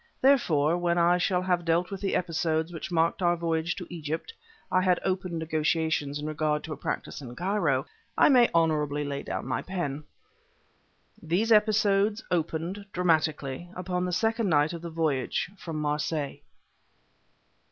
Therefore, when I shall have dealt with the episodes which marked our voyage to Egypt I had opened negotiations in regard to a practice in Cairo I may honorably lay down my pen. These episodes opened, dramatically, upon the second night of the voyage from Marseilles.